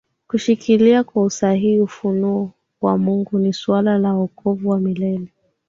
kushikilia kwa usahihi ufunuo wa Mungu ni suala la wokovu wa milele